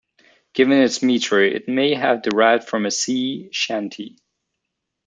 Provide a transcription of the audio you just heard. Given its metre, it may have derived from a sea shanty.